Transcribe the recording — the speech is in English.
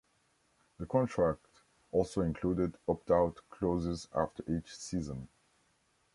The contract also included opt out clauses after each season.